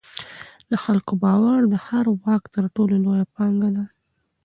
د خلکو باور د هر واک تر ټولو لویه پانګه ده